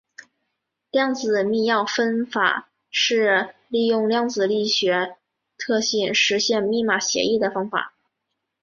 量子密钥分发是利用量子力学特性实现密码协议的方法。